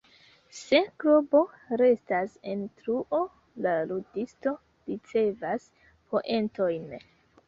Se globo restas en truo, la ludisto ricevas poentojn.